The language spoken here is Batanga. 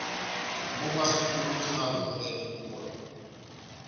Mʼbu mwá sukulu múndi na ngondɛ dibuwa.